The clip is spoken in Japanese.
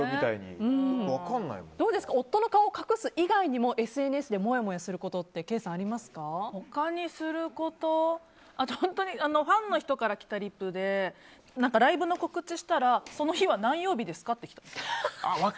夫の顔を隠す以外にもＳＮＳで、もやもやすることってファンの人から来たリプでライブの告知したらその日は何曜日ですかってきた。